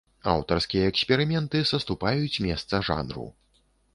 Аўтарскія эксперыменты саступаюць месца жанру.